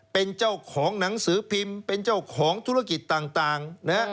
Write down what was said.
เป็นเจ้าของหนังสือพิมพ์เป็นเจ้าของธุรกิจต่างนะฮะ